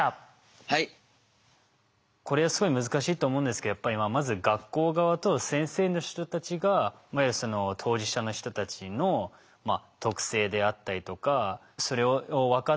これはすごい難しいと思うんですけどやっぱりまず学校側と先生の人たちが当事者の人たちの特性であったりとかそれを分かった上で授業の進め方